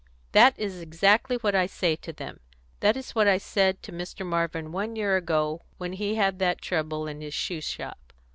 "That is exactly what I say to them. That is what I said to Mr. Marvin one year ago, when he had that trouble in his shoe shop.